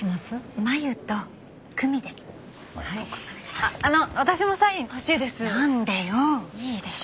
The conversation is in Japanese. あの私もサイン欲しいです。